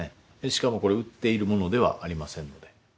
しかもこれ売っているものではありませんので。